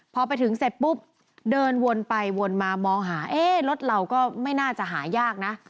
พอไปถึงเสร็จปุ๊บเดินวนไปวนมามองหารถเราก็ไม่น่าจะหายากนะ